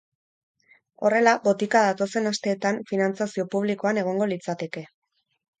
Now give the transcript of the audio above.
Horrela, botika datozen asteetan finantziazio publikoan egongo litzateke.